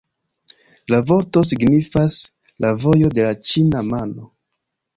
La vorto signifas «la vojo de la ĉina mano».